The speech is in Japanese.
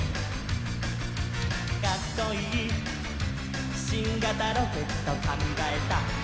「カッコイイしんがたロケットかんがえた」